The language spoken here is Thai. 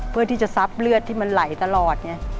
เพื่อที่จะซับเลือดที่มันไหลตลอดไง